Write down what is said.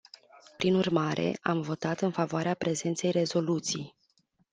Prin urmare, am votat în favoarea prezentei rezoluții.